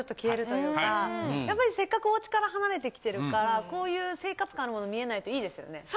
やっぱりせっかくおうちから離れて来てるからこういう生活感あるもの見えないといいですよね。